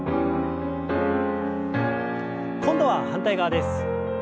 今度は反対側です。